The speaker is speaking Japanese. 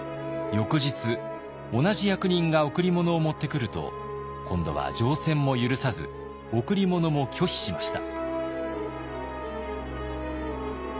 翌日同じ役人が贈り物を持ってくると今度は乗船も許さず贈り物も拒否しました。